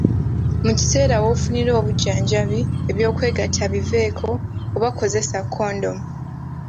Mu kiseera w’ofunira obujjanjabi, eby'okwegatta biveeko oba kozesa kondomu.